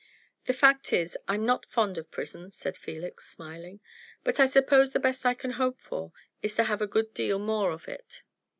"The fact is, I'm not fond of prison," said Felix, smiling; "but I suppose the best I can hope for is to have a good deal more of it."